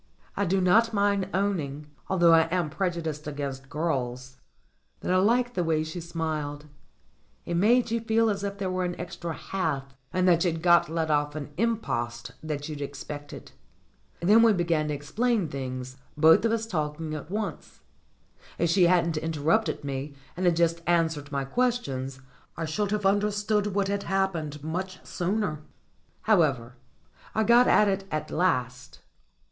I do not mind owning, although I am prejudiced against girls, that I like the way she smiled. It made 178 STORIES WITHOUT TEARS you feel as if there were an extra "half," and you'd got let off an "impost" that you'd expected. Then we began to explain things, both of us talking at once. If she hadn't interrupted me, and had just answered my questions, I should have understood what had happened much sooner. However, I got at it at last.